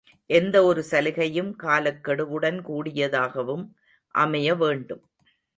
எந்த ஒரு சலுகையும் காலக்கெடுவுடன் கூடியதாகவும் அமைய வேண்டும்.